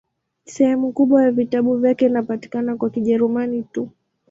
Sehemu kubwa ya vitabu vyake inapatikana kwa Kijerumani tu.